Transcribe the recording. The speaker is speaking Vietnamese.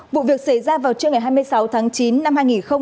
vụ việc xảy ra vào trước ngày hai mươi sáu tháng chín năm hai nghìn hai mươi